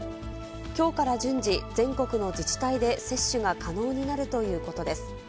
きょうから順次、全国の自治体で接種が可能になるということです。